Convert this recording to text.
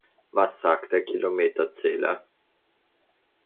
Was sagt der Kilometerzähler?